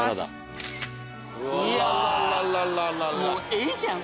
絵じゃん！